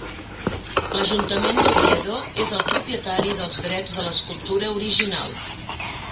L'Ajuntament d'Oviedo és el propietari dels drets de l'escultura original.